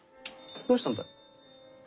どうしたんだい？